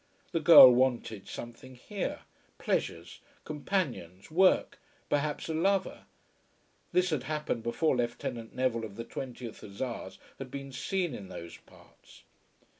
The girl wanted something here, pleasures, companions, work, perhaps a lover. This had happened before Lieutenant Neville of the 20th Hussars had been seen in those parts.